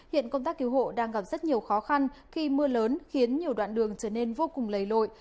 hiện công tác cứu hộ đang gặp rất nhiều khó khăn khi mưa lớn khiến nhiều đoạn đường trở nên vô cùng lầy lội